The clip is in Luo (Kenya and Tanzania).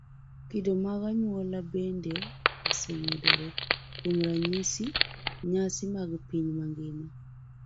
Kido mag anyuola bende osemedore. Kuom ranyisi, nyasi mag piny mangima